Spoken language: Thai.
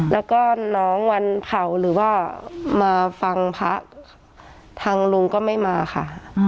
แล้วก็น้องวันเผาหรือว่ามาฟังพระทางลุงก็ไม่มาค่ะ